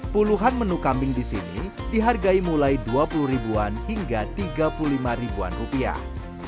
puluhan menu kambing di sini dihargai mulai dua puluh ribuan hingga tiga puluh lima ribuan rupiah